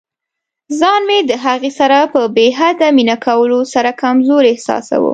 ځان مې د هغې سره په بې حده مینه کولو سره کمزوری احساساوه.